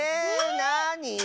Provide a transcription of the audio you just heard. なに？